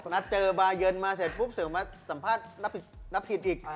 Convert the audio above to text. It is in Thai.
นัดเจอบาเย็นมาเสร็จปุ๊บเสริมมาสัมภาษณ์นับผิดอีก